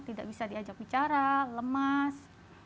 tidak bisa diajak bicara lemas